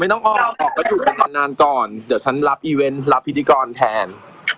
ไม่ต้องออกออกก็อยู่กันนานก่อนเดี๋ยวฉันรับพิธีกรแทน